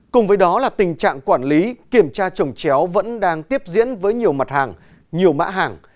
cùng với đó là tình trạng quản lý kiểm tra trồng chéo vẫn đang tiếp diễn với nhiều mặt hàng nhiều mã hàng